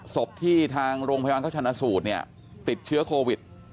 ศพที่ทางโรงพยาบาลเขาชนะสูตรเนี่ยติดเชื้อโควิด